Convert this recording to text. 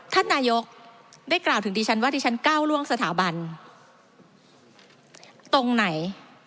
ท่านนายกได้กล่าวถึงดิฉันว่าดิฉันก้าวล่วงสถาบันตรงไหน